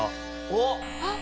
おっ！